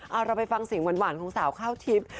เอารับไปฟังเสียงหวานของสาวข้าวทีป